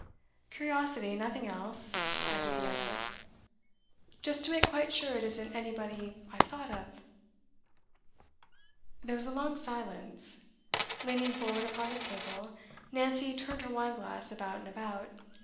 'Curiosity, nothing else,' added the other. 'Just to make quite sure it isn't anybody I've thought of.' There was a long silence. Leaning forward upon the table, Nancy turned her wine glass about and about.